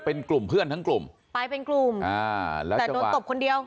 เป็นกลุ่มเพื่อนทั้งกลุ่มไปเป็นกลุ่มอ่าแล้วแต่โดนตบคนเดียว